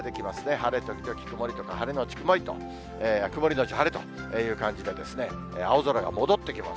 晴れ時々曇りとか、晴れ後曇りと、曇り後晴れという感じで、青空が戻ってきます。